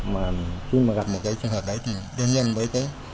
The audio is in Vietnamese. mà khi gặp một trường hợp đấy